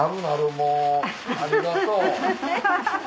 もうありがとう。